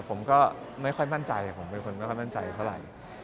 ผมก็ไม่ค่อยมั่นใจผมเป็นคนไม่ค่อยมั่นใจเท่าไหร่